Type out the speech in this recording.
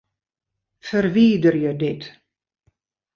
Ferwiderje dit.